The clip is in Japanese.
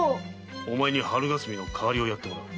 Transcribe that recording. お前に春霞の代りをやってもらう。